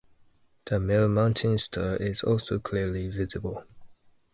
The Mill Mountain Star is also clearly visible.